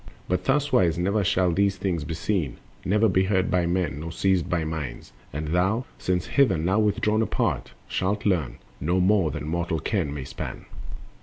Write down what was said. But thuswise never shall these things be seen, Never be heard by men, nor seized by mind; And thou, since hither now withdrawn apart, Shalt learn—no more than mortal ken may span.